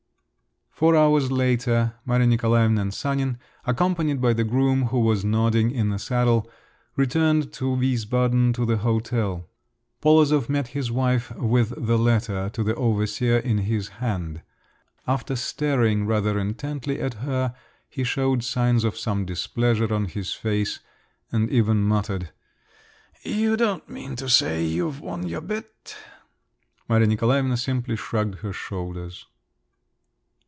Four hours later, Maria Nikolaevna and Sanin, accompanied by the groom, who was nodding in the saddle, returned to Wiesbaden, to the hotel. Polozov met his wife with the letter to the overseer in his hand. After staring rather intently at her, he showed signs of some displeasure on his face, and even muttered, "You don't mean to say you've won your bet?" Maria Nikolaevna simply shrugged her shoulders.